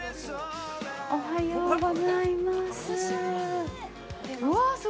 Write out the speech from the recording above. おはようございます。